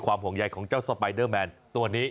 ความห่วงใหญ่ของเจ้าสปายเดอร์แมนตัวนี้